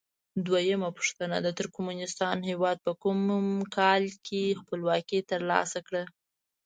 دویمه پوښتنه: د ترکمنستان هیواد په کوم کال کې خپلواکي تر لاسه کړه؟